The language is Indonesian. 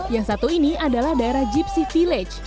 yang satu ini adalah daerah gypsi village